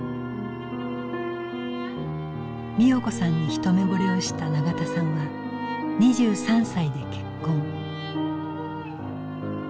美代子さんに一目ぼれをした永田さんは２３歳で結婚。